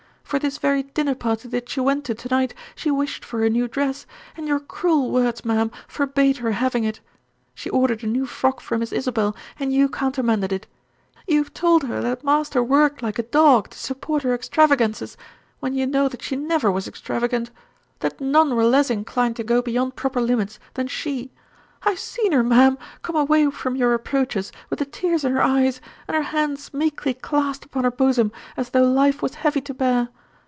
For this very dinner party that she went to to night she wished for a new dress, and your cruel words, ma'am, forbade her having it. She ordered a new frock for Miss Isabel, and you countermanded it. You have told her that master worked like a dog to support her extravagances, when you know that she never was extravagant; that none were less inclined to go beyond proper limits than she. I have seen her, ma'am, come away from your reproaches with the tears in her eyes, and her hands meekly clasped upon her bosom, as though life was heavy to bear.